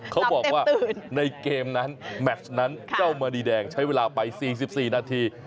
เขาบอกว่าในเกมนั้นแมชนั้นเจ้ามณีแดงใช้เวลาไป๔๔นาที